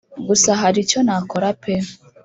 gusa haricyo nakora pe